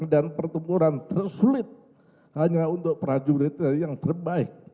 dan pertempuran tersulit hanya untuk prajurit yang terbaik